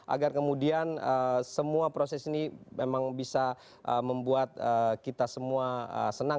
agar kemudian semua proses ini memang bisa membuat kita semua senang